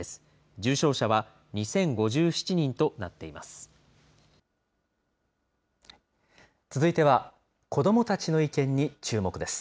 重症者は２０５７人となっています。